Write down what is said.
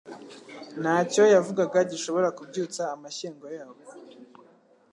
Ntacyo yavugaga gishobora kubyutsa amashyengo yabo.